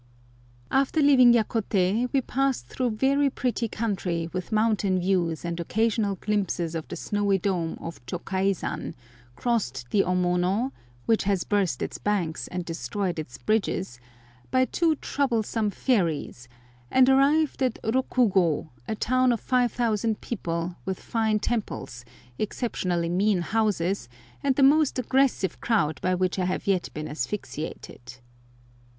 After leaving Yakote we passed through very pretty country with mountain views and occasional glimpses of the snowy dome of Chokaizan, crossed the Omono (which has burst its banks and destroyed its bridges) by two troublesome ferries, and arrived at Rokugo, a town of 5000 people, with fine temples, exceptionally mean houses, and the most aggressive crowd by which I have yet been asphyxiated.